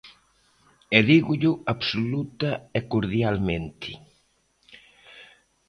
E dígollo absoluta e cordialmente.